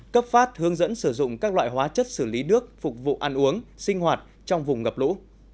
cấp phát hướng dẫn sử dụng các loại hóa chất xử lý nước phục vụ ăn uống sinh hoạt trong vùng ngập lũ